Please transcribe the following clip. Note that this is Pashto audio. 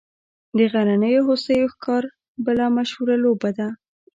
د غرنیو هوسیو ښکار بله مشهوره لوبه ده